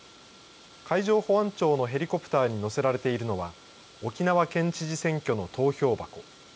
海上保安庁のヘリコプターに乗せられているのは沖縄県知事選挙の投票箱。